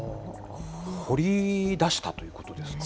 掘り出したということですか？